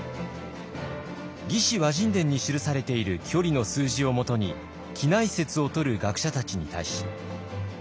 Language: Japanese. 「魏志倭人伝」に記されている距離の数字をもとに畿内説をとる学者たちに対し。